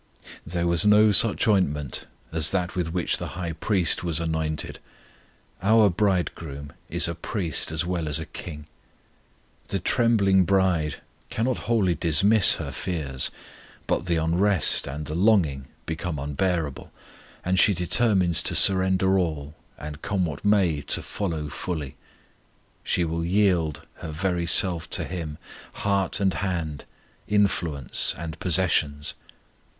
There was no such ointment as that with which the High Priest was anointed: our Bridegroom is a Priest as well as a King. The trembling bride cannot wholly dismiss her fears; but the unrest and the longing become unbearable, and she determines to surrender all, and come what may to follow fully. She will yield her very self to Him, heart and hand, influence and possessions.